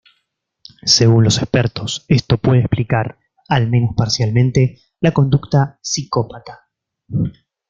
Según los expertos, esto puede explicar -al menos parcialmente- la conducta psicópata.